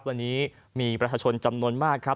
วันนี้มีประชาชนจำนวนมากครับ